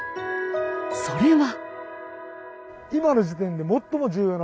それは。